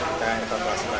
maka itu terpaksa